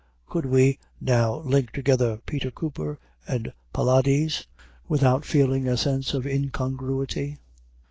Could we now link together Peter Cooper and Pylades, without feeling a sense of incongruity?